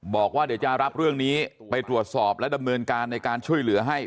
บอกว่าเดี๋ยวจะรับเรื่องนี้ไปตรวจสอบและดำเนินการในการช่วยเหลือให้